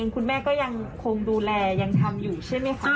คุณแม่ก็ยังคงดูแลยังทำอยู่ใช่ไหมคะ